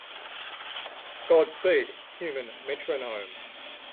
Godspeed Human Metronome.